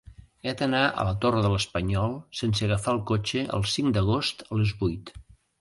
He d'anar a la Torre de l'Espanyol sense agafar el cotxe el cinc d'agost a les vuit.